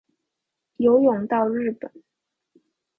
游泳到日本